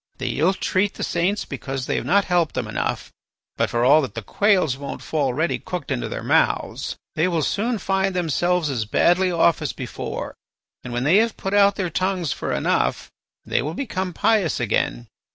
They ill treat the saints because they have not helped them enough, but for all that the quails won't fall ready cooked into their mouths. They will soon find themselves as badly off as before, and when they have put out their tongues for enough they will become pious again.